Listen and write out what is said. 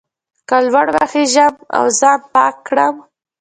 که لوړ وخېژم او ځان پاک کړم.